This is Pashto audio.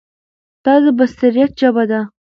دا د بصیرت ژبه ده.